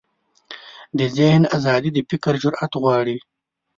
د ذهن ازادي د فکر جرئت غواړي.